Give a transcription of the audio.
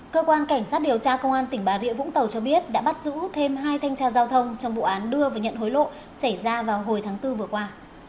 cơ quan cảnh sát điều tra công an tỉnh bà rịa vũng tàu cho biết đã bắt giữ thêm hai thanh tra giao thông trong vụ án đưa và nhận hối lộ xảy ra vào hồi tháng bốn vừa qua